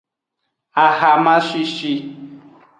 Ahama shishi.